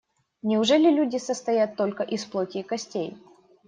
Неужели люди состоят только из плоти и костей?